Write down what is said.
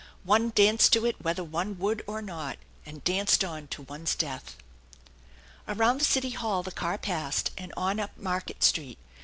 One danced to it whether one would or not, and danced on to one's death. Around the city hall the car passed, and on up Market Street.